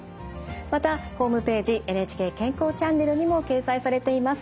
またホームページ「ＮＨＫ健康チャンネル」にも掲載されています。